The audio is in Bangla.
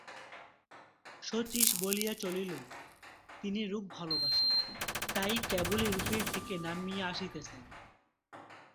শচীশ বলিয়া চলিল, তিনি রূপ ভালোবাসেন, তাই কেবলই রূপের দিকে নামিয়া আসিতেছেন।